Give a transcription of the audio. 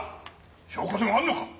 証拠でもあるのか！？